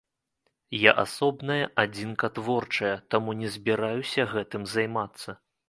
Я асобная адзінка творчая, таму не збіраюся гэтым займацца.